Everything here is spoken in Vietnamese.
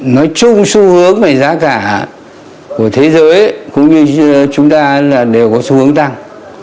nói chung xu hướng về giá cả của thế giới cũng như chúng ta đều có xu hướng tăng